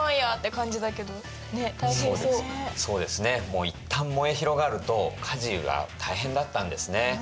もういったん燃え広がると火事が大変だったんですね。